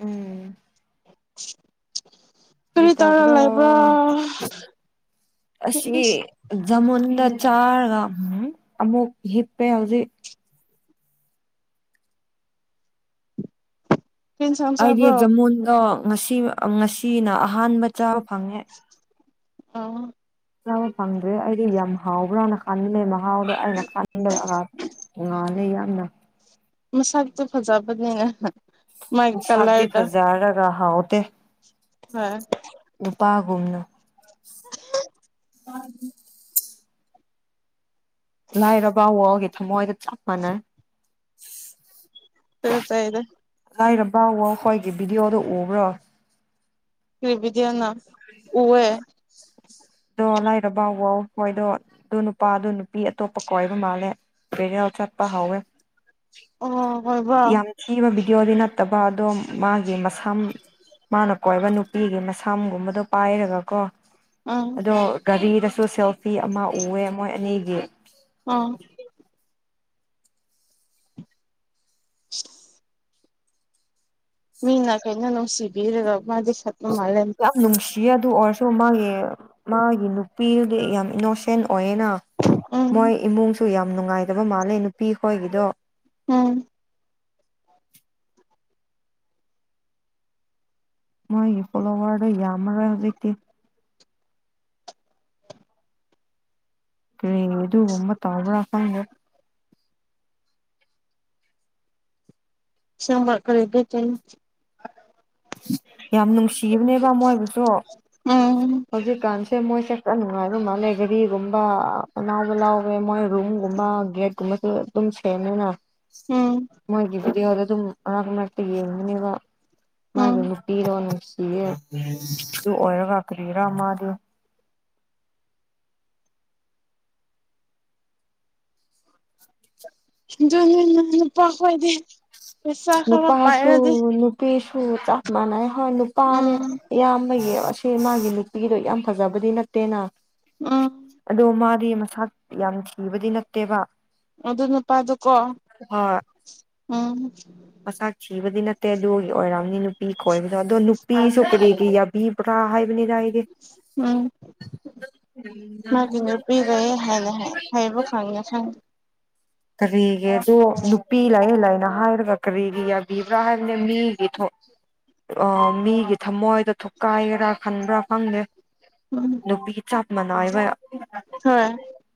ꯎꯝ [unintelligible] ꯀꯔꯤ ꯇꯧꯔ ꯂꯩꯕ꯭ꯔꯣ ꯑꯁꯤ [unintelligible] ꯖꯃꯨꯟꯗ ꯆꯥꯔꯒ ꯎꯝ ꯑꯃꯨꯛ ꯍꯤꯞꯄꯦ ꯍꯧꯖꯤꯛ ꯀꯩ ꯏꯟꯁꯥꯡ ꯑꯩꯗꯤ ꯆꯥꯕ꯭ꯔꯣ ꯖꯃꯨꯟꯗꯣ ꯉꯁꯤ ꯉꯁꯤꯅ ꯑꯍꯥꯟꯕ ꯆꯥꯕ ꯐꯪꯉꯦ ꯑꯥ [inaudible] ꯆꯥꯕ ꯐꯪꯗ꯭ꯔꯦ ꯑꯩꯗꯤ ꯌꯥꯝ ꯍꯥꯎꯕ꯭ꯔꯥꯅ ꯈꯟꯕꯅꯦ ꯃꯍꯥꯎꯗꯣ ꯑꯩꯅ ꯈꯟꯕꯗ ꯉꯥꯜꯂꯦ ꯌꯥꯝꯅ ꯃꯁꯛꯇꯤ ꯐꯖꯕꯅꯦ ꯃꯁꯛꯇꯤ ꯐꯖꯔꯒ ꯍꯥꯥꯎꯇꯦ [unintelligible] ꯅꯨꯄꯥꯒꯨꯝꯅ ꯂꯥꯏꯔꯕ ꯋꯥꯔꯜꯒꯤ ꯊꯝꯃꯣꯏꯒ ꯆꯞ ꯃꯥꯟꯅꯩ [inaudible] ꯂꯥꯏꯔꯕ ꯋꯥꯔꯜ ꯍꯣꯏꯒꯤ ꯚꯤꯗꯤꯋꯣꯗꯣ ꯎꯕ꯭ꯔꯣ ꯀꯔꯤ ꯚꯤꯗꯤꯌꯣꯅꯣ ꯎꯋꯦ ꯑꯗꯣ ꯂꯥꯏꯔꯕ ꯋꯥꯔꯜ ꯃꯣꯏꯗꯣ ꯑꯗꯨ ꯅꯨꯄꯥꯗꯣ ꯅꯨꯄꯤ ꯑꯇꯣꯞꯄ ꯀꯣꯢꯔꯕ ꯃꯥꯜꯂꯦ ꯄ꯭ꯔꯦꯌꯦꯜ ꯆꯠꯄ ꯍꯧꯋꯦ ꯑꯣ ꯑꯣꯏꯕ꯭ꯔꯣ ꯌꯥꯝ ꯊꯤꯕ ꯚꯤꯗꯤꯑꯣꯗꯤ ꯅꯠꯇꯕ ꯑꯗꯣ ꯃꯥꯒꯤ ꯃꯁꯝ ꯃꯥꯅ ꯀꯣꯏꯕ ꯅꯨꯄꯤꯒꯤ ꯃꯁꯝꯒꯨꯝꯕꯗꯣ ꯄꯥꯏꯔꯒ ꯀꯣ ꯑꯪ ꯑꯗꯣ ꯒꯥꯔꯤꯗꯁꯨ ꯁꯦꯜꯐꯤ ꯑꯃ ꯎꯋꯦ ꯃꯣꯏ ꯑꯅꯤꯒꯤ ꯑꯥ [unintelligible] ꯃꯤꯅ ꯀꯩꯅꯣ ꯅꯨꯡꯁꯤꯕꯤꯔꯒ ꯃꯥꯗꯤ ꯁꯠ [inaudible] ꯌꯥꯝ ꯅꯨꯡꯁꯤꯌꯦ ꯑꯗꯨ ꯑꯣꯏꯔꯁꯨ ꯃꯥꯒꯤ ꯃꯥꯒꯤ ꯅꯨꯄꯤꯗꯨꯗꯤ ꯌꯥꯝ ꯏꯟꯅꯣꯁꯦꯟꯠ ꯑꯣꯏꯌꯦꯅ ꯎꯝ ꯃꯣꯏ ꯏꯃꯨꯡꯁꯨ ꯌꯥꯝ ꯅꯨꯡꯉꯥꯏꯇꯕ ꯃꯥꯜꯂꯦ ꯅꯨꯄꯤꯈꯣꯏꯒꯤꯗꯣ ꯎꯝ ꯃꯣꯏꯒꯤ ꯐꫭꯂꫭꯋꯔꯗꫭ ꯌꯥꯝꯃꯔꫭꯏ ꯍꯧꯖꯤꯛꯇꯤ ꯀꯩ ꯑꯗꯨꯒꯨꯝꯕ ꯇꯧꯕꯔ ꯈꯪꯗꯦ ꯁꯝꯕꯔ [unintelligible] ꯌꯥꯝ ꯅꯨꯡꯁꯤꯕꯅꯦꯕ ꯃꯣꯏꯕꯨꯁꯨ ꯎꯝ ꯍꯧꯖꯤꯛꯀꯥꯟꯁꯤ ꯁꯦ ꯃꯣꯏꯁꯦ ꯈꯔ ꯅꯨꯡꯉꯥꯏꯕ ꯃꯥꯜꯂꯦ ꯒꯥꯔꯤꯒꯨꯝꯕ ꯂꯥꯎꯕ ꯂꯥꯎꯕ ꯃꯣꯏ ꯔꯨꯝꯒꯨꯝꯕ ꯒꯦꯠꯀꯨꯝꯕꯁꯨ ꯑꯗꯨꯝ ꯁꯦꯝꯃꯦꯅ ꯎꯝ ꯃꯣꯏꯒꯤ ꯚꯤꯗꯤꯑꯣꯗ ꯑꯗꯨꯝ ꯃꯔꯛ ꯃꯔꯛꯇ ꯌꯦꯡꯕꯅꯦꯕ ꯎꯝ ꯃꯥꯒꯤ ꯅꯨꯄꯤꯗꯣ ꯅꯨꯡꯁꯤꯌꯦ ꯑꯗꯨ ꯑꯣꯏꯔꯒ ꯀꯔꯤꯔꯥ ꯃꯥꯗꯤ [unintelligible] ꯅꯨꯄꯥ ꯈꯣꯏꯗꯤ ꯄꯩꯁꯥ ꯈꯔ ꯅꯨꯄꯥꯁꯨꯨ ꯄꯥꯏꯔꯗꯤ ꯅꯨ ꯅꯨꯄꯤꯁꯨ ꯆꯞ ꯃꯥꯟꯅꯩ ꯍꯣꯏ ꯅꯨꯄꯥꯅꯦ ꯎꯝ ꯏꯌꯥꯝꯕꯒꯤ ꯁꯤ ꯃꯥꯒꯤ ꯅꯨꯄꯤꯗꯨ ꯌꯥꯝ ꯐꯖꯕꯗꯤ ꯅꯠꯇꯦꯅ ꯎꯝ ꯑꯗꯣ ꯃꯥꯗꯤ ꯃꯁꯥ ꯌꯥꯝ ꯊꯤꯕꯗꯤ ꯅꯠꯇꯦꯕ ꯑꯗꯨ ꯅꯨꯄꯥꯗꯨꯀꯣ ꯍꯣꯏ ꯎꯝ ꯃꯁꯛ ꯊꯤꯕꯗꯤ ꯅꯠꯇꯦ ꯑꯗꯨꯒꯤ ꯑꯣꯏꯔꯝꯅꯤ ꯅꯨꯄꯤ ꯈꯣꯏꯕꯗꯣ ꯑꯗꯣ ꯅꯨꯄꯤꯁꯨ ꯀꯔꯤꯒꯤ ꯌꯥꯕꯤ ꯕꯔꯥ ꯍꯥꯏꯕꯅꯤꯗ ꯑꯩꯗꯤ ꯎꯝ ꯃꯥꯒꯤ ꯅꯨꯄꯤ ꯂꯩꯌꯦ ꯍꯥꯏꯅ ꯍꯥꯏꯕ ꯈꯪꯉꯦ ꯈꯪꯉꯦ ꯀꯔꯤꯒꯤ ꯑꯗꯨ ꯅꯨꯄꯤ ꯂꯩꯌꯦ ꯂꯩꯅ ꯍꯥꯏꯔꯒ ꯀꯔꯤꯒꯤ ꯌꯥꯕꯔꯤꯕꯔꯥ ꯍꯥꯏꯕꯅꯦ ꯃꯤꯒꯤ ꯊꫭ ꯑꫭ ꯃꯤꯒꯤ ꯊꯃꯣꯏꯗꫭ ꯊꯨꯛꯀꯥꯏꯒꯦꯔꯥ ꯈꯟꯕ꯭ꯔꯥ ꯈꯪꯗꯦ ꯎꯝ ꯅꯨꯄꯤꯒꯤ ꯆꯞ ꯃꯅꯥꯏꯕ ꯍꯣꯏ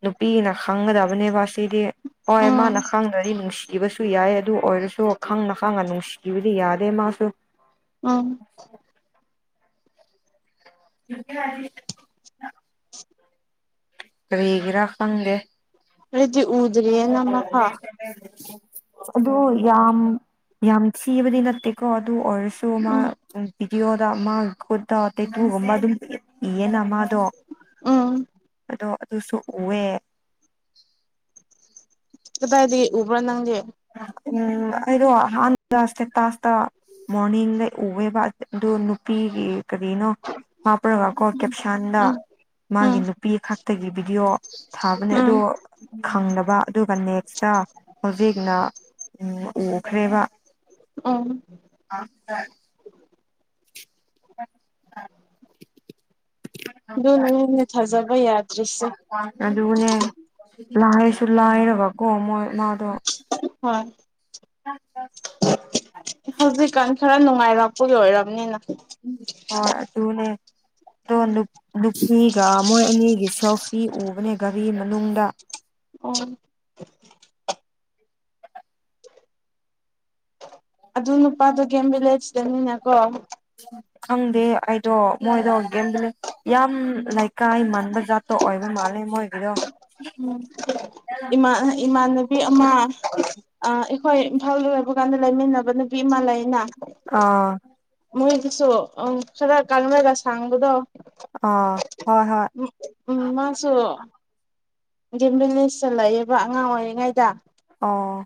ꯅꯨꯄꯤꯅ ꯈꯪꯒꯗꯕꯅꯦꯕ ꯁꯤꯗꯤ ꯍꯣꯏ ꯎꯝ ꯃꯥꯅ ꯈꯪ ꯗꯔꯗꯤ ꯅꯨꯡꯁꯤꯕꯁꯨ ꯌꯥꯏ ꯑꯗꯨ ꯑꯣꯏꯔꯁꯨ ꯈꯪꯅ ꯈꯪꯅ ꯅꯨꯡꯁꯤꯕꯗꯤ ꯌꯥꯗꯦ ꯃꯥꯁꯨ ꯎꯝ ꯏ [unintelligible] ꯀꯔꯤꯒꯤꯔꯥ ꯈꯪꯗꯦ ꯑꯩꯗꯤ ꯎꯗꯔꯤꯍꯦ ꯅꯝꯃꯛꯈ ꯑꯗꯨ ꯌꯥꯝ ꯌꯥꯝ ꯊꯤꯕꯗꯤ ꯅꯠꯇꯦꯀꯣ ꯑꯗꯨ ꯑꯣꯏꯔꯁꯨ ꯁꯨ ꯃꯥ ꯎꯝ ꯚꯤꯗꯤꯑꯣꯗ ꯃꯥꯒꯤ ꯈꯨꯠꯇ ꯇꯦꯀꯨꯒꯨꯝꯕ ꯑꯗꯨꯝ ꯏꯌꯦꯅ ꯃꯥꯗꯣ ꯎꯝ ꯑꯗꯣ ꯑꯗꯨꯁꯨ ꯎꯋꯦ ꯀꯗꯥꯏꯗꯒꯤ ꯎꯕꯔꯥ ꯅꯪꯗꯤ ꯎꯝ ꯑꯩꯗꯣ ꯍꯥꯟꯅ [unintelligible] ꯇꯥꯁꯇ ꯃꯣꯔꯅꯤꯗꯩ ꯎꯋꯦꯕ ꯑꯗꯨ ꯅꯨꯄꯤꯒꯤ ꯀꯔꯤꯅꯣ ꯍꯥꯞꯔꯒꯀꯣ ꯀꯦꯞꯁꯟꯗ ꯎꯝ ꯎꯝ ꯃꯥꯒꯤ ꯅꯨꯄꯤ ꯈꯛꯇꯒꯤ ꯚꯤꯗꯤꯑꯣ ꯊꯥꯕꯅꯦ ꯎꯝ ꯑꯗꯨ ꯈꯪꯅꯕ ꯑꯗꯨꯒ ꯅꯦꯛꯁꯇ ꯍꯧꯖꯤꯛꯅ ꯎꯝ ꯎꯈ꯭ꯔꯦꯕ ꯎꯝ ꯑ [inaudible] ꯑꯥ [inaudible] ꯑꯗꯨꯅꯅꯤꯅꯦ ꯊꯥꯖꯕ ꯌꯥꯗ꯭ꯔꯤꯁꯦ ꯑꯗꯨꯅꯦ ꯂꯥꯏꯁꯨ ꯂꯥꯏꯔꯀꯣ ꯃꯣꯏ ꯃꯥꯗꫭ ꯍꯣꯏ ꯍꯧꯖꯤꯛꯀꯥꯟ ꯈꯔ ꯅꯨꯡꯉꯥꯏꯔꯥꯛꯄꯒꯤ ꯑꯣꯏꯔꯝꯅꯤꯅ꯫ ꯍꫭꯏ ꯑꯗꯨꯨꯅꯦ꯫ ꯑꯗꯣ ꯅꯨꯞ ꯅꯨꯄꯤꯒ ꯃꯣꯏ ꯑꯅꯤꯒꯤ ꯁꯦꯜꯐꯤ ꯎꯕꯅꯦ ꯒꯥꯔꯤ ꯃꯅꯨꯡꯗ꯫ ꯑꯣ꯫ ꯑꯗꯨ ꯅꯨꯄꯥꯗꯨꯣ ꯒꯦꯝ ꯚꯤꯂꯦꯖꯇꯅꯤꯅꯀꯣ꯫ ꯍꯪꯗꯦ ꯑꯩꯗꯣ ꯃꯣꯏꯗꯣ ꯒꯦꯝ ꯚꯤꯂꯦ ꯌꯥꯝ ꯂꯩꯀꯥꯏ ꯃꯥꯟꯕ ꯖꯥꯠꯇꯣ ꯑꯣꯏꯕ ꯃꯥꯜꯂꯦ ꯃꯣꯏꯒꯤꯗꯣ꯫ [unintelligible] ꯏꯃꯥ ꯏꯃꯥꯟꯅꯕꯤ ꯑꯃꯥ [unintelligible] ꯑ ꯑꯩꯈꯣꯏ ꯏꯝꯐꯥꯜ ꯂꯩꯕ ꯒꯥꯟꯗ ꯂꯩꯃꯤꯟꯅꯕ ꯅꯨꯄꯤ ꯑꯃ ꯂꯩꯅ꯫ ꯑꯥ꯫ ꯃꯣꯏꯗꯨꯁꯨ ꯑꯪ ꯈꯔ ꯀꯥꯡꯔꯒ ꯁꯥꯡꯕꯗꯣ꯫ ꯑꯥ ꯍꯣꯏ ꯍꯣꯏ꯫ ꯎꯝ ꯃꯥꯁꯨ ꯒꯦꯝꯕꯤꯂꯦꯖꯇ ꯂꯩꯌꯦꯕ ꯑꯉꯥꯡ ꯑꯣꯏꯔꯤꯉꯩꯗ꯫ ꯑꯣ꯫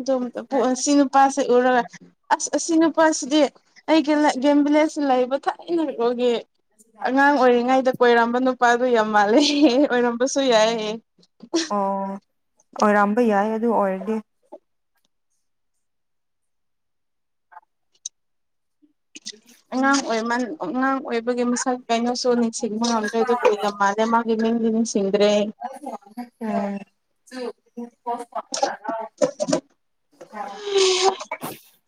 ꯑꯗꯨꯝꯇ ꯄꯨꯛ ꯑ ꯁꯤ ꯅꯨꯄꯥꯁꯤ ꯎꯔꯒ ꯑꯁ ꯑꯁꯤ ꯅꯨꯄꯥꯁꯤꯗꯤ ꯑꯩꯒꯤꯂ ꯒꯦꯝ ꯚꯤꯂꯦꯖ ꯂꯩꯕ ꯊꯥꯏꯅ ꯏꯒꯣꯜꯒꯤ ꯑꯉꯥꯡ ꯑꯣꯏꯔꯤꯉꯩꯗꯛ ꯀꯣꯏꯔꯝꯕ ꯅꯨꯄꯥꯗꯣ ꯌꯥꯝ ꯃꯥꯜꯂꯦ [unintelligible] ꯑꯣꯏꯔꯝꯕꯁꯨ ꯌꯥꯏ ꯍꯩꯌ [unintelligible] ꯦ ꯑꯣ ꯑꯣꯏꯔꯝꯕ ꯌꯥꯏ ꯑꯗꯨ ꯑꯣꯏꯔꯗꯤ꯫ ꯑꯉꯥꯡ ꯑꯣꯏꯃꯟ ꯑꯉꯥꯡ ꯑꯣꯏꯕꯒꯤ ꯃꯁꯛ ꯀꯩꯅꯣꯁꯨ ꯅꯤꯡꯁꯤꯡꯕ ꯉꯝꯗ꯭ꯔꯦ ꯑꯗꯨꯕꯨ ꯌꯥꯝ ꯃꯥꯜꯂꯦ ꯃꯥ ꯅꯤꯡꯗꯤ ꯅꯤꯡꯁꯤꯡꯗ꯭ꯔꯦ꯫ [unintelligible] [inaudible]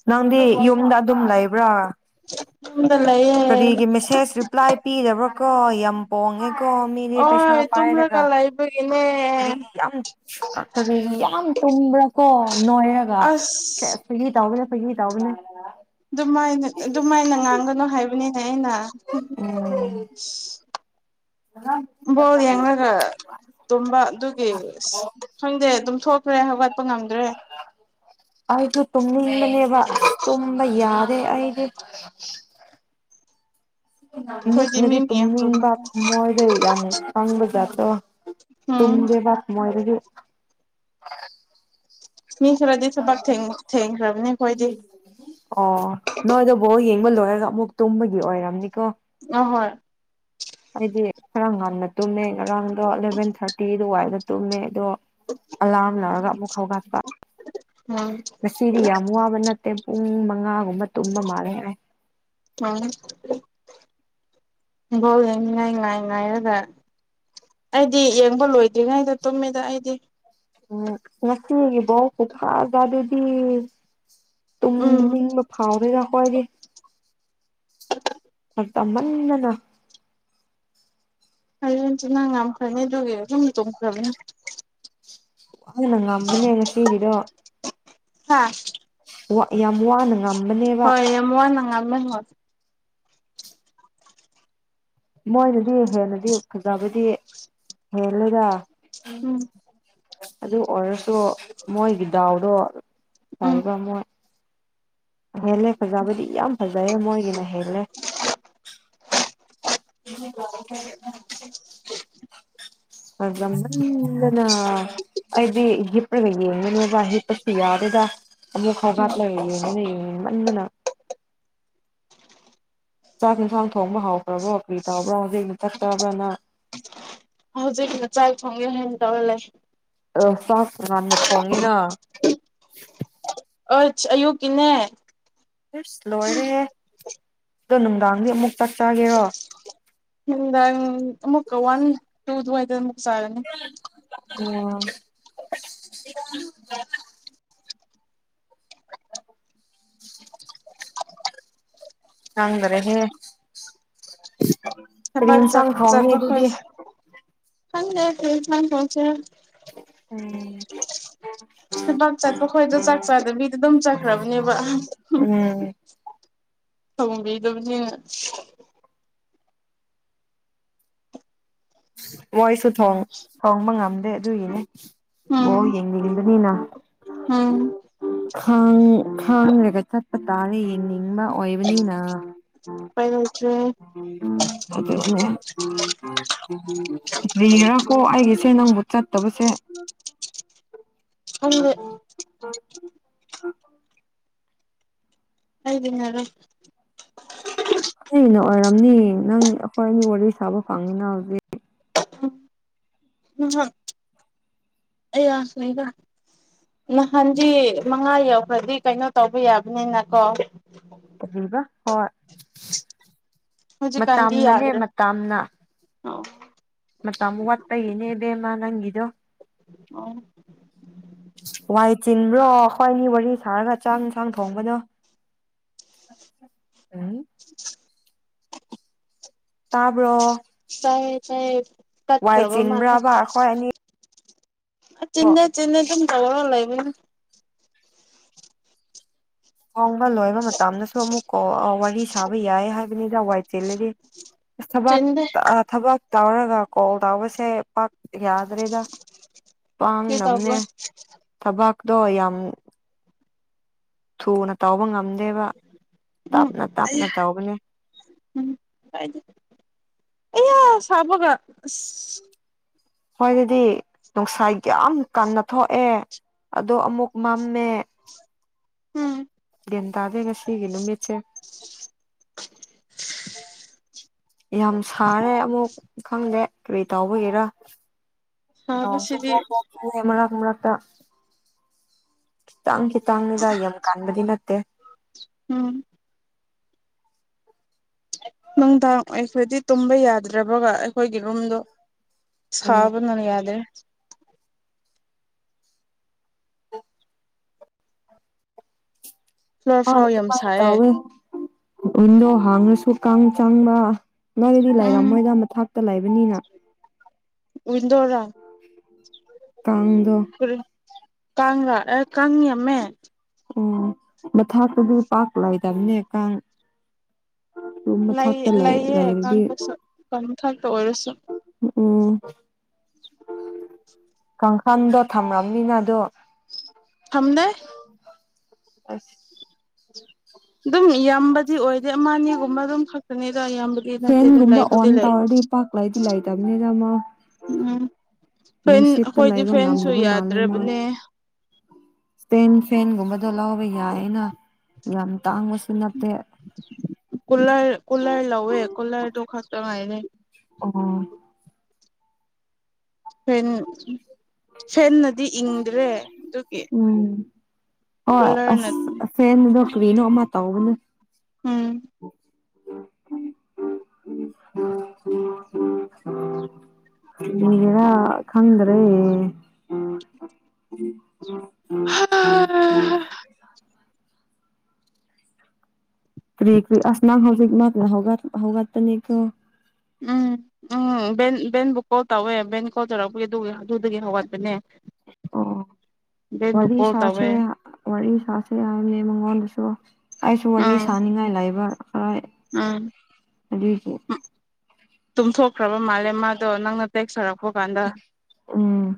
ꯅꯪꯗꯤ ꯌꯨꯝꯗ ꯑꯗꯨꯝ ꯂꯩꯕ꯭ꯔꯥ꯫ ꯌꯨꯝꯗ ꯂꯩꯌꯦ꯫ ꯀꯔꯤꯒꯤ ꯃꯤꯁꯦꯁ ꯔꯤꯄ꯭ꯂꯥꯏ ꯄꯤꯗꯕ꯭ꯔꯥ ꯀꯣ ꯌꯥꯝ ꯄꯣꯡꯉꯦꯀꯣ ꯃꯤꯗꯤ ꯄꯩꯁꯥ ꯄꯥꯏꯔꯒ꯫ ꯄꯥꯏꯕꯒꯤꯅꯦ꯫ ꯀꯔꯤꯒꯤ ꯌꯥꯝ ꯀ ꯀꯔꯤꯒꯤ ꯌꯥꯝ ꯇꯨꯝꯕ꯭ꯔꯥ ꯀꯣ ꯅꯣꯏꯔꯒ ꯑꯁ ꯁꯦꯁ꯫ ꯐꯥꯒꯤ ꯇꯥꯎꯕꯅꯦ ꯐꯥꯒꯤ ꯇꯥꯎꯕꯅꯦ꯫ ꯗꯨꯃꯥꯏꯅ ꯑꯗꯨꯃꯥꯏꯅ ꯉꯥꯡꯒꯅꯣ ꯍꯥꯏꯕꯅꯤꯅꯦ ꯑꯩꯅ [unintelligible] ꯎꯝ [unintelligible] ꯕꯣꯜ ꯌꯦꯡꯂꯒ ꯇꯨꯝꯕ ꯑꯗꯨꯒꯤ ꯑꯁ ꯈꯪꯗꯦ ꯗꯨꯝꯊꯣꯛ ꯈ꯭ꯔꯦ ꯍꯧꯒꯠꯄ ꯉꯝꯗ꯭ꯔꯦ꯫ ꯑꯥꯏꯗꯨ ꯇꯨꯝꯅꯤꯡꯕꯅꯦꯕ ꯑꯁ ꯇꯨꯝꯕ ꯌꯥꯗꯦ ꯑꯩꯗꯤ [inaudible] ꯑꯩꯈꯣꯏꯗꯤ ꯃꯤ ꯃꯤꯠꯅꯗꯤ ꯃꯌꯥꯝ ꯇꯨꯝꯅꯤꯡꯕ ꯇꯨꯝꯕꯅꯤ ꯊꯝꯃꯣꯏꯗꯩ ꯌꯥꯝ ꯀꯪꯕ ꯖꯥꯠꯇꯣ꯫ ꯎꯝ ꯇꯨꯝꯗꯦꯕ ꯊꯃꯣꯏꯗꯗꯤ꯫ ꯃꯤ ꯈꯔꯗꯤ ꯊꯕꯛ ꯊꯦꯡꯕꯛ ꯊꯦꯡꯈ꯭ꯔꯕꯅꯦ ꯑꯈꯣꯏꯗꯤ꯫ ꯑꯣ ꯅꯣꯏꯗꯣ ꯕꯥꯜ ꯌꯦꯡꯕ ꯂꯣꯏꯔꯒ ꯑꯃꯨꯛ ꯇꯨꯝꯕꯒꯤ ꯑꯣꯏꯔꯝꯅꯤꯀꯣ꯫ ꯑꫭ ꯍꯣꯏ꯫ ꯑꯩꯗꯤ ꯈꯔ ꯉꯟꯅ ꯇꯨꯝꯃꯦ ꯉꯔꯥꯡꯗꯣ ꯑꯦꯂꯚꯦꯟ ꯊꯥꯔꯇꯤ ꯑꯗꯨ ꯋꯥꯏꯗ ꯇꯨꯝꯃꯦ ꯑꯗꯣ ꯑꯂꯥꯔꯝ ꯂꯛꯔꯒ ꯑꯃꯨꯛ ꯍꯧꯒꯥꯠ [unintelligible] ꯉꯁꯤꯗꯤ ꯌꯥꯝ ꯋꯥꯕ ꯅꯠꯇꯦ ꯄꯨꯡ ꯃꯉꯥꯒꯨꯝꯕ ꯇꯨꯝꯕ ꯃꯥꯜꯂꯦ ꯑꯩ꯫ ꯃꯥꯡ [unintelligible] ꯕꯣꯜ ꯌꯦꯡꯅꯤꯡꯉꯥꯏ ꯉꯥꯏ ꯉꯥꯏꯔꯒ ꯑꯩꯗꯤ ꯌꯦꯡꯕ ꯂꯣꯏ ꯌꯦꯡꯉꯔꯣꯏꯗ ꯇꯨꯃꯦꯗ ꯑꯩꯗꯤ ꯎꯝ ꯉꯁꯤꯒꯤ ꯕꯣꯜꯁꯤ ꯐꯥꯖꯗꯦꯗꯤ ꯎꯝ ꯇꯨꯝꯅꯤꯡꯕ ꯐꯥꯎꯗꯦꯅ ꯑꯈꯣꯏꯗꯤ ꯇꯟꯃꯟꯗꯅ ꯍꯌꯦꯟꯆꯨ ꯅꯪ ꯉꯝꯈ꯭ꯔꯅꯤ ꯑꯗꯨꯒꯤ ꯑꯗꯨꯨꯝ ꯇꯨꯝꯈ꯭ꯔꯅꯤ ꯄꯨꯉꯝꯗ ꯉꯝꯕꯅꯦ ꯉꯁꯤꯒꯤꯗꯣ ꯍꯥꯥ ꯋꯥ ꯌꯥꯝ ꯋꯥꯅ ꯉꯝꯕꯅꯦꯕ ꯍꯣꯏ ꯌꯥꯝ ꯋꯥꯅ ꯉꯝꯃꯦ ꯃꯣꯏꯅꯗꯤ ꯍꯦꯟꯅꯗꯤ ꯐꯖꯕꯗꯤ ꯍꯦꯜꯂꯦꯗꯥ ꯎꯝ ꯑꯗꯨ ꯑꯣꯏꯔꯁꯨ ꯃꯣꯏꯒꯤ ꯗꯥꯎꯗꯣ ꯎꯝ ꯐꯩꯕ ꯃꯣꯏ ꯍꯦꯜꯂꯦ ꯐꯖꯥꯕꯗꯤ ꯌꯥꯝ ꯐꯖꯩꯌꯦ ꯃꯣꯏꯒꯤꯅ ꯍꯦꯜꯂꯦ [unintelligible] ꯐꯖꯃꯟꯗꯅꯥ ꯑꯩꯗꯤ ꯍꯤꯞꯄꯒ ꯌꯦꯡꯉꯦ ꯅꯣꯏꯕꯥ ꯍꯤꯞꯄꯁꯨ ꯌꯥꯗꯦꯗ ꯑꯃꯛ ꯎꯝ ꯍꯧꯒꯠꯂꯒ ꯌꯦꯡꯕꯅꯦ ꯌꯦꯅꯤꯡꯃꯟꯗꯅ ꯆꯥꯛ ꯍꯦꯟꯁꯥꯡ ꯊꯣꯡꯕ ꯍꯥꯎꯔꯕ꯭ꯔꯣ ꯀ꯭ꯔꯤ ꯇꯧꯕ꯭ꯔꯥ ꯍꯧꯖꯤꯛꯀꯤ ꯆꯥꯛꯆꯥꯕ꯭ꯔ ꯅꯪ ꯍꯧꯖꯤꯛꯅ ꯆꯥꯛ ꯊꯣꯡꯉꯦ ꯍꯥꯏꯅ ꯇꯧꯔꯒ ꯂꯩ ꯑꯣ ꯆꯥꯛ ꯀꯅꯥꯅ ꯊꯣꯡꯉꯤꯅꯣ ꯑ ꯑꯌꯨꯛꯀꯤꯅꯦ ꯑꯁ ꯂꯣꯏꯔꯦꯍꯦ ꯑꯗꯣ ꯅꯨꯡꯗꯥꯡꯗꯤ ꯑꯃꯨꯛ ꯆꯥꯛ ꯆꯥꯒꯦꯔꯣ ꯅꯨꯡꯗꯥꯡ ꯑꯃꯨꯛꯀꯥ ꯋꯥꯟ ꯇꯨ ꯑꯗꯨꯋꯥꯏꯗ ꯃꯨꯛ ꯆꯥꯔꯅꯤ ꯑꯣ [inaudible] ꯈꯪꯗ꯭ꯔꯦꯍꯦ ꯀꯔꯤ ꯊꯕꯛ ꯏꯟꯁꯥꯡ ꯊꯣꯡꯅꯤ ꯑꯗꯨꯗꯤ ꯈꯪꯗꯦꯗꯤ ꯀꯩ ꯏꯟꯁꯥꯡ ꯊꯣꯡꯗꯣꯏꯅꯣ ꯎꯝ ꯀꯅꯥꯜ ꯆꯥꯗꯦ ꯑꯩꯈꯣꯏꯗꯣ ꯆꯥꯛ ꯆꯥꯗꯕꯤꯗ ꯗꯨꯝ ꯆꯠꯈ꯭ꯔꯕꯅꯦꯕ ꯎꯝ ꯊꯣꯡꯕꯤꯗꯕꯅꯤꯅꯥ ꯃꯣꯏꯁꯨ ꯊꯣꯡꯕ ꯉꯝꯗꯦ ꯑꯗꯨꯒꯤꯅꯦ ꯕꯣꯜ ꯎꯝ ꯌꯦꯡꯅꯤꯡꯕꯅꯤꯅ ꯎꯝ ꯈꯡ ꯈꯡꯗꯦꯗ ꯆꯠꯄ ꯇꯥꯔꯦ ꯌꯦꯡꯅꯤꯡꯕ ꯑꯣꯏꯕꯅꯤꯅ ꯎꯄꯥꯢ ꯂꯩꯇ꯭ꯔꯦ [unintelligible] ꯀꯥꯔꯤꯔꯤꯀꯣ ꯑꯩꯒꯤꯁꯦ ꯅꯪꯕꯨ ꯆꯠꯇꯕꯁꯦ ꯈꯪꯗꯦ ꯑꯩꯗꯤ ꯌꯥꯔꯦ ꯑꯩꯅ ꯑꯣꯏꯔꯝꯅꯤꯌꯦ ꯅꯪ ꯑꯩꯈꯣꯏ ꯑꯅꯤ ꯋꯥꯔꯤ ꯁꯥꯕ ꯐꯪꯉꯤꯅ ꯍꯧꯖꯤꯛ ꯎꯝ ꯍꯝ ꯑ ꯥꯩꯌꯥꯥ ꯁꯣꯏꯗ ꯅꯍꯥꯟꯗꯤ ꯃꯉꯥ ꯌꯧꯈ꯭ꯔꯗꯤ ꯀꯩꯅꯣ ꯇꯧꯕ ꯌꯥꯕꯅꯤꯅꯀꯣ ꯀꯔꯤꯕꯥ ꯍꯣꯏ ꯃꯇꯝꯅꯅꯦ ꯃꯇꯝꯅ ꯑꯥꯎ ꯃꯇꯝ ꯋꯥꯠꯄꯒꯤꯅꯦ ꯏꯕꯦꯝꯃꯥ ꯅꯪꯒꯤꯗꯣ ꯑꯣ ꯋꯥꯏ ꯆꯤꯟꯕ꯭ꯔꯣ ꯑꯩꯈꯣꯏꯑꯅꯤ ꯋꯥꯔꯤ ꯁꯥꯔꯒ ꯆꯥꯛ ꯏꯟꯁꯥꯡ ꯊꯣꯡꯕꯗꯣ ꯎꯝ ꯇꯥꯕ꯭ꯔꯣ ꯇꯥꯏꯌꯦ ꯇꯥꯏꯌꯦ ꯋꯥꯏ ꯇꯠꯈ꯭ꯔꯕꯥ ꯃꯥꯂꯦ ꯆꯤꯟꯕ꯭ꯔꯕ ꯑꯩꯈꯣꯏ ꯑꯅꯤ ꯆꯤꯟꯗꯦ ꯆꯤꯟꯗꯦ ꯑꯗꯨꯝ ꯇꯧꯔꯒ ꯂꯩꯕꯅꯦ ꯊꯣꯡꯕ ꯂꯣꯏꯕ ꯃꯇꯝꯗꯁꯨ ꯑꯃꯨꯛ ꯒꯣꯜ ꯋꯥꯔꯤ ꯁꯥꯕ ꯌꯥꯏ ꯍꯥꯏꯕꯅꯤꯗ ꯋꯥꯏ ꯆꯤꯜꯂꯗꯤ ꯑꯁ ꯊꯕꯥꯛ ꯆꯤꯟꯗꯦ ꯊꯕꯥꯛ ꯇꯧꯔꯒ ꯀꯣꯜ ꯇꯧꯕꯁꯤ ꯄꯥꯛ ꯌꯥꯗ꯭ꯔꯦꯗ ꯀꯔꯤ ꯇꯧꯕ꯭ꯔꯥ ꯄꯥꯡꯗꯝꯅꯦ ꯊꯕꯥꯛꯇꯣ ꯌꯥꯝ ꯊꯨꯅ ꯇꯧꯕ ꯉꯝꯗꯦꯕ ꯎꯝ ꯇꯞꯅ ꯇꯞꯅ ꯑꯩꯌꯥ ꯇꯧꯕꯅꯦ ꯑꯌꯥ ꯁꯕꯒ ꯑꯩꯈꯣꯏꯗꯗꯤ ꯅꯨꯡꯁꯥ ꯌꯥꯝ ꯀꯟꯅ ꯊꯣꯛꯑꯦ ꯑꯗꯣ ꯑꯃꯨꯛ ꯃꯝꯃꯦ ꯎꯝ ꯒ꯭ꯌꯥꯟ ꯇꯥꯗꯦ ꯉꯥꯁꯤꯒꯤ ꯅꯨꯃꯤꯠꯁꯦ [inaudible] ꯌꯥꯝ ꯁꯥꯔꯦ ꯑꯃꯨꯛ ꯈꯪꯗꯦ ꯀꯔꯤ ꯇꯥꯎꯕꯒꯤꯔ ꯅꯣꯡꯁꯨ ꯁꯥꯕꯁꯤꯗꯤ ꯈꯔꯥꯛ ꯈꯔꯥꯛ ꯆꯨꯢꯋꯦ ꯃꯔꯛ ꯃꯔꯛꯇ ꯈꯤꯇꯪ ꯈꯤꯇꯪꯅꯤꯗ ꯌꯥꯝ ꯀꯥꯟꯕꯗꯤ ꯅꯠꯇꯦ ꯎꯝ ꯅꯨꯡꯗꯥꯡ ꯑꯩꯈ꯭ꯔꯥꯗꯤ ꯇꯨꯝꯕ ꯌꯥꯗ꯭ꯔꯦꯕꯒ ꯑꯩꯈꯣꯏꯒꯤ ꯔꯨꯝꯗꯣ ꯎꯝ ꯁꯥꯕꯅ ꯌꯥꯗ꯭ꯔꯦ ꯐ꯭ꯂꯣꯔ ꯍꯣꯏ ꯐꯥꯎ ꯌꯥꯝ ꯑꯗꯨꯃꯥꯏꯅ ꯁꯥꯏꯌꯦ ꯇꯧꯋꯦ ꯋꯤꯟꯗꯣ ꯍꯥꯡꯉꯁꯨ ꯀꯥꯡ ꯆꯥꯡꯕ ꯅꯣꯏꯗꯤ ꯎꯝ ꯂꯩꯔꯝꯃꯣꯏꯗ ꯃꯊꯥꯛꯇ ꯂꯩꯕꯅꯤꯅ ꯋꯤꯟꯗꯣꯔꯣ ꯀꯥꯡꯗꯣ ꯀꯔꯤ ꯀꯥꯡꯔ ꯑꯦ ꯀꯥꯡ ꯌꯥꯝꯃꯦ ꯎꯝ ꯃꯊꯛꯇꯗꯤ ꯄꯥꯛ ꯂꯩꯇꯕꯅꯦ ꯀꯥꯡ ꯔꯨꯝ ꯂꯩ ꯃꯊꯛꯇ ꯂꯩꯌꯦ ꯂꯩꯔꯗꯤ ꯀꯥꯡꯗꯁꯨ ꯃꯊꯥꯛꯇ ꯑꯣꯏꯔꯁꯨ ꯎꯝ ꯑꯝ ꯀꯥꯡꯈꯥꯟꯗꯣ ꯊꯝꯔꯝꯅꯤꯅ ꯑꯗꯨ ꯊꯝꯗꯦ ꯑꯁ ꯗꯨꯝ ꯌꯥꯝꯕꯗꯤ ꯑꯣꯏꯗꯦ ꯑꯃ ꯑꯅꯤꯒꯨꯝꯕ ꯑꯗꯨꯝ ꯈꯛꯇꯅꯤꯗ ꯌꯥꯝꯕ ꯐꯦꯟꯒꯨꯝꯕ ꯑꯣꯟ ꯇꯧꯔꯗꯤ ꯄꯥꯛ ꯂꯩꯗꯤ ꯂꯩꯇꯝꯅꯤꯗ ꯃꯣꯢ ꯎꯝ ꯐꯦꯟ ꯅꯨꯡꯁꯤꯠꯇ ꯑꯩꯈꯣꯏꯗꯤ ꯂꯩꯥꯕ ꯐꯦꯟꯁꯨ ꯉꯝꯗꯕ ꯃꯥꯜꯂꯦ ꯃꯣꯢ ꯌꯥꯗ꯭ꯔꯕꯅꯦ ꯁ꯭ꯇꯦꯟ ꯐꯦꯟꯒꯨꯝꯕꯗꯣ ꯂꯧꯕ ꯌꯥꯏꯌꯦꯅ ꯌꯥꯝ ꯇꯥꯡꯕꯁꯨ ꯅꯠꯇꯦ ꯀꯨꯂ꯭ꯔ ꯀꯨꯂ꯭ꯔ ꯂꯧꯋꯦ ꯀꯨꯂ꯭ꯔꯗꯨ ꯈꯛꯇ ꯉꯥꯏꯅꯦ ꯑꯣ ꯐꯦꯟ ꯐꯦꯟꯅꯗꯤ ꯏꯪꯗ꯭ꯔꯦ ꯑꯗꯨꯒꯤ ꯎꯝ ꯍꯣꯏ ꯀꯨꯂꯔꯅ ꯑꯁ ꯑꯥ ꯐꯦꯟꯗꯣ ꯀꯔꯤꯅꯣ ꯑꯃ ꯇꯧꯕꯅꯦ ꯎꯝ [inaudible] ꯀꯔꯤꯒꯤꯔ ꯈꯪꯗ꯭ꯔꯦ ꯍꯥ ꯍꯥ ꯀ꯭ꯔꯤ ꯀ꯭ꯔꯤ ꯑꯁ ꯅꯪ ꯍꯧꯖꯤꯛ ꯉꯥꯟꯅ ꯍꯧꯒꯠꯄ ꯍꯧꯒꯠꯄꯅꯤꯀꯣ ꯎꯝ꯫ ꯎꯝ ꯕꯦꯜ ꯕꯦꯜꯕꯨ ꯀꯣꯜ ꯇꯧꯋꯦ ꯕꯦꯡ ꯀꯣꯜ ꯇꯧꯔꯛꯄꯒꯤ ꯑꯗꯨꯒꯤ ꯑꯗꯨꯗꯒꯤ ꯍꯧꯒꯠꯄꯅꯦ ꯑꯣ ꯕꯦꯟꯕꯨ ꯋꯥꯔꯤ ꯀꯣꯜ ꯁꯥꯁꯦ ꯇꯧꯋꯦ ꯍꯥ ꯋꯥꯔꯤ ꯁꯥꯁꯦ ꯍꯥꯏꯔꯑꯦ ꯃꯉꯣꯟꯗꯁꯨ ꯑꯩꯁꯨ ꯋꯥꯔꯤ ꯎꯝ ꯁꯥꯅꯤꯡꯉꯥꯏ ꯂꯩꯕ ꯍꯣꯏ ꯎꯝ ꯇꯨꯝꯊꯣꯛꯈ꯭ꯔꯥꯕ ꯃꯥꯜꯂꯦ ꯃꯥꯗꯣ ꯅꯪꯅ ꯇꯦꯛꯁ ꯁꯔꯛꯄ ꯀꯥꯟꯗ ꯎꯝ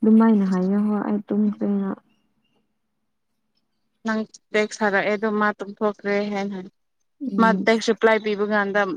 ꯑꯗꯨꯃꯥꯏꯅ ꯍꯥꯏꯌꯣ ꯍꯣꯏ ꯑꯩ ꯇꯨꯝꯈ꯭ꯔꯦꯅ ꯅꯪ ꯇꯦꯛꯁ ꯊꯔꯛꯑꯦ ꯑꯗꯨ ꯃꯥ ꯇꯨꯝꯊꯣꯛꯈ꯭ꯔꯦ ꯍꯥꯏꯅ ꯍꯟ ꯃꯥ ꯎꯝ ꯇꯦꯛꯁꯁꯨ ꯄ꯭ꯂꯥꯏ ꯄꯤꯕ ꯀꯥꯟꯗ ꯎꯝ